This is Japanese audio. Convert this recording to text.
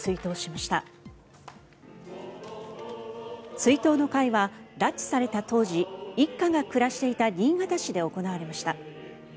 追悼の会は拉致された当時一家が暮らしていた新潟市で行われました。